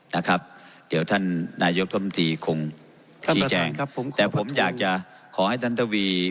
นะครับเดี๋ยวท่านนายกรรมตรีคงชี้แจงครับผมแต่ผมอยากจะขอให้ท่านทวี